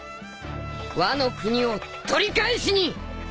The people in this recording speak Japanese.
ワノ国を取り返しに！